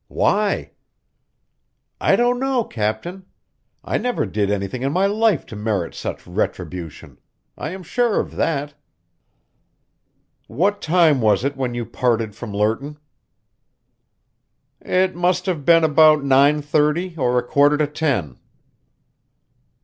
"Why?" "I don't know, captain. I never did anything in my life to merit such retribution. I am sure of that." "What time was it when you parted from Lerton?" "It must have been about nine thirty or a quarter to ten."